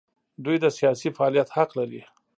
دوی د سیاسي فعالیت حق لري.